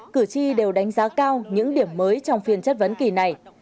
cử tri đều đánh giá cao những điểm mới trong phiên chất vấn kỳ này